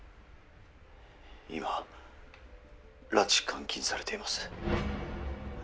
今、拉致監禁されています。